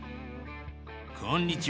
こんにちは。